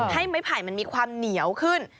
ให้ไม้ไผ่มันมีความเหนียวขึ้น